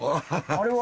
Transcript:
あれは？